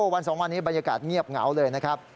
วัน๒วันนี้บรรยากาศเงียบเหงาเลยนะครับ